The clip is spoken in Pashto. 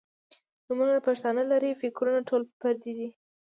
نومونه پښتانۀ لــري فکـــــــــــرونه ټول پردي دي